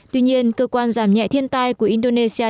tuy nhiên cơ quan giảm nhẹ thiên tai của indonesia